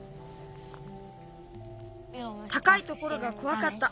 たかいところがこわかった。